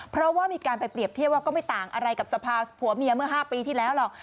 เพราะว่ามีการไปเปรียบเทียบว่าก็ไม่ต่างอะไรกับสภาผัวเมียเมื่อ๕ปีที่แล้วหรอก